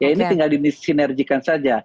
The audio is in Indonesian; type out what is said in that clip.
ya ini tinggal disinerjikan saja